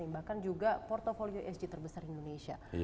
bahkan juga portfolio hg terbesar indonesia